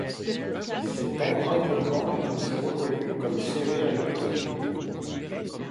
Cet enrênement est aussi reconnu comme sévère et contraignant.